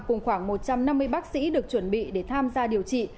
cùng khoảng một trăm năm mươi bác sĩ được chuẩn bị để tham gia điều trị